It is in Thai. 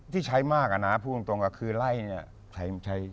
ที่ใช้มากอะนะคือไล่นี่